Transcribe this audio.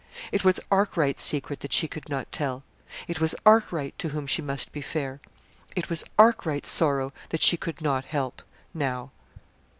It was Arkwright's secret that she could not tell. It was Arkwright to whom she must be fair. It was Arkwright's sorrow that she "could not help now."